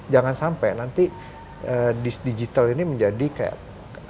jangan sampai nanti digital ini menjadi kayak